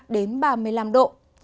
đến ba mươi năm độ